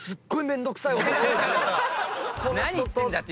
何言ってんだって。